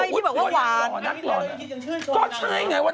เฮ้ยพี่บอกว่าหวาน